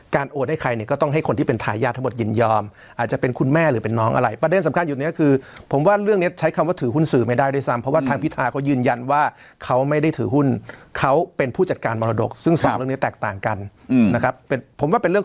โอนให้ใครเนี่ยก็ต้องให้คนที่เป็นทายาทบทยินยอมอาจจะเป็นคุณแม่หรือเป็นน้องอะไรประเด็นสำคัญอยู่เนี้ยคือผมว่าเรื่องนี้ใช้คำว่าถือหุ้นสื่อไม่ได้ด้วยซ้ำเพราะว่าทางพิธาเขายืนยันว่าเขาไม่ได้ถือหุ้นเขาเป็นผู้จัดการมรดกซึ่งสองเรื่องนี้แตกต่างกันนะครับเป็นผมว่าเป็นเรื่อง